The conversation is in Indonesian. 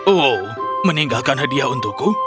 oh meninggalkan hadiah untukku